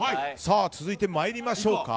続いて参りましょうか。